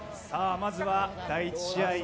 まずは第１試合。